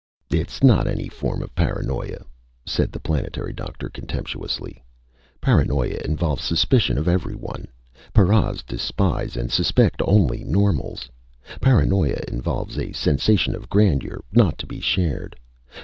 "It is not any form of paranoia," said the planetary doctor, contemptuously. "Paranoia involves suspicion of everyone. Paras despise and suspect only normals. Paranoia involves a sensation of grandeur, not to be shared.